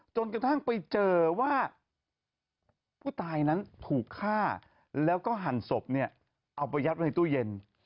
จนกระทั่งไปเจอว่าผู้ตายนั้นถูกฆ่าแล้วก็หั่นศพเนี่ยเอาไปยัดไว้ในตู้เย็น